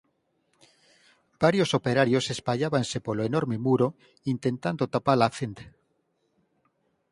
Varios operarios espallábanse polo enorme muro intentando tapar a fenda.